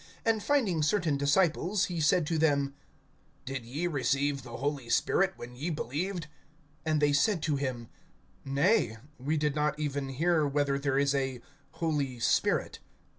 And finding certain disciples, (2)he said to them: Did ye receive the Holy Spirit when ye believed? And they said to him: Nay, we did not even hear whether there is a Holy Spirit.